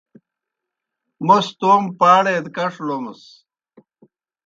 موْس توموْ پاڑے دہ کڇ لومَس۔